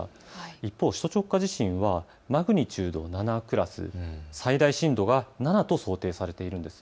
一方、首都直下地震はマグニチュードが７クラス、最大震度が７と想定されています。